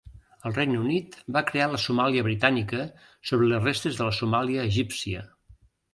El Regne Unit va crear la Somàlia Britànica sobre les restes de la Somàlia Egípcia.